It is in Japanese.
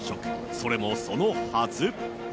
それもそのはず。